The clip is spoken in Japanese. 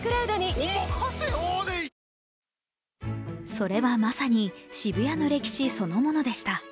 それはまさに渋谷の歴史そのものでした。